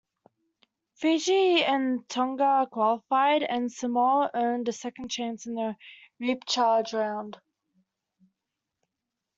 Fiji and Tonga qualified, and Samoa earned a second chance in the repecharge round.